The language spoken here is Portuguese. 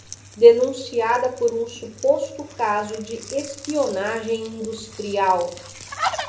Denunciada por um suposto caso de espionagem industrial